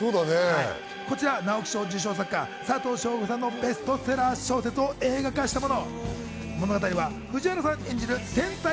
こちらは直木賞受賞作家、佐藤正午さんのベストセラー小説を映画化したもの。